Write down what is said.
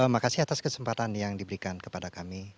makasih atas kesempatan yang diberikan kepada kami